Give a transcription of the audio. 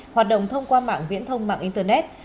hoạt động thông qua mạng viễn thông mạng internet